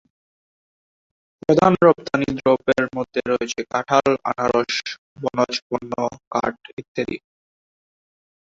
প্রধান রপ্তানি দ্রব্যের মধ্যে রয়েছে কাঁঠাল, আনারস, বনজ পণ্য, কাঠ ইত্যাদি।